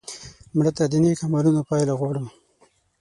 مړه ته د نیک عملونو پایله غواړو